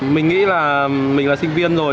mình nghĩ là mình là sinh viên rồi